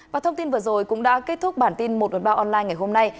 và thông tin vừa rồi cũng đã kết thúc bản tin một trăm một mươi ba online ngày hôm nay